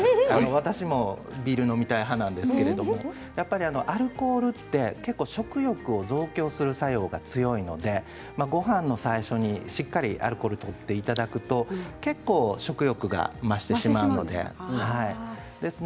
私もビールを飲みたい派ですけれどアルコールというのは食欲を増強する作用が多いのでごはんの最初にしっかりとアルコールをとっていただくと食欲が増してしまうんです。